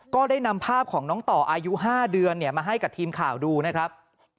ก็ได้นำภาพของน้องต่ออายุ๕เดือนมาให้กับทีมข่าวดูนะครับ